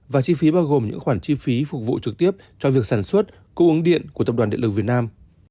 và chi phí bao gồm những khoản chi phí phục vụ trực tiếp cho việc sản xuất cung ứng điện của tập đoàn điện lực việt nam